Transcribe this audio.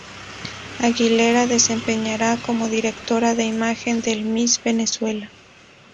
Aguilera desempeñará como Directora de Imagen del Miss Venezuela.